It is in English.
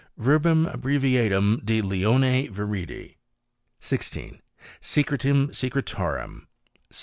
Verbum abbreviatum de Leone Viridi. 16. Secretum Secretorum.